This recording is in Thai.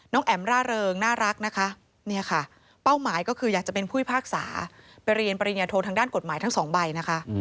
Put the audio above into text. แอ๋มร่าเริงน่ารักนะคะเนี่ยค่ะเป้าหมายก็คืออยากจะเป็นผู้พิพากษาไปเรียนปริญญาโททางด้านกฎหมายทั้งสองใบนะคะ